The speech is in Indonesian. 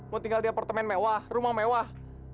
mau tinggal di apartemen mewah rumah mewah